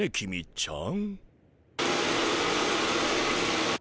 ちゃん。